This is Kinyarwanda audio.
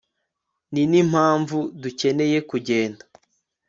ninimpamvu dukeneye kugenda